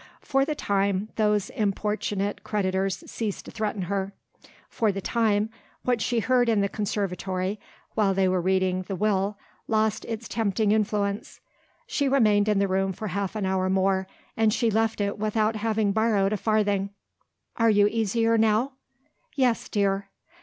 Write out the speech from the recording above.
For the time, those importunate creditors ceased to threaten her. For the time, what she had heard in the conservatory, while they were reading the Will, lost its tempting influence. She remained in the room for half an hour more and she left it without having borrowed a farthing. "Are you easier now?" "Yes, dear."